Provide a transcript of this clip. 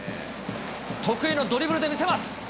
得意のドリブルで見せます。